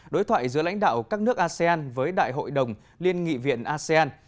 đối thoại giữa lãnh đạo các nước asean với đại hội đồng liên nghị viện asean